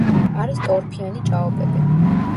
არის ტორფიანი ჭაობები.